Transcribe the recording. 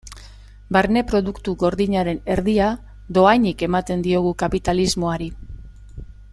Barne Produktu Gordinaren erdia dohainik ematen diogu kapitalismoari.